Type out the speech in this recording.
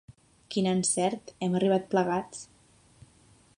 Quin encert: hem arribat plegats!